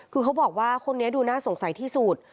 คือเขาบอกว่าคนนี้ดูน่าสงสัยที่สุด